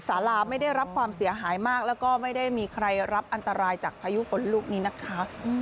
สาราไม่ได้รับความเสียหายมากแล้วก็ไม่ได้มีใครรับอันตรายจากพายุฝนลูกนี้นะคะ